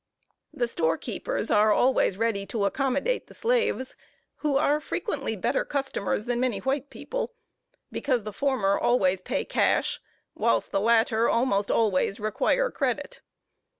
The store keepers are always ready to accommodate the slaves, who are frequently better customers than many white people; because the former always pay cash, whilst the latter almost always require credit.